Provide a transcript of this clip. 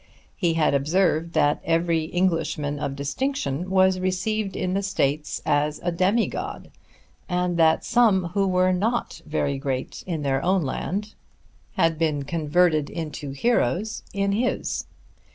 He had observed that every Englishman of distinction was received in the States as a demigod, and that some who were not very great in their own land had been converted into heroes in his.